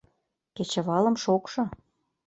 Кечывалым шокшо.